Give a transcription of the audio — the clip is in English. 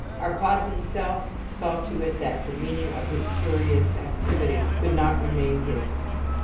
Arpdd himself saw to it that the meaning of his curious activity could not remain hidden.